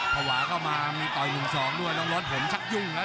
ภาวะเข้ามามีต่อย๑๒ด้วยน้องรถผมชักยุ่งแล้ว